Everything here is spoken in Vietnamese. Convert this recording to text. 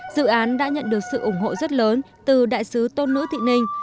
dự án đã nhận được sự ủng hộ rất lớn từ đại sứ tôn nữ thị ninh